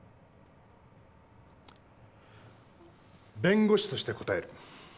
弁護士として答える。